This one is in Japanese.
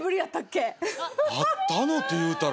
会ったのっていうたら。